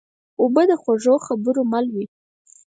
اوبه د خوږو خبرو مل وي.